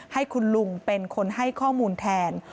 ให้คุณลุงเป็นคนให้ข้อมูลแทน